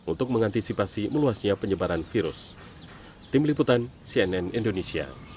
untuk mengantisipasi meluasnya penyebaran virus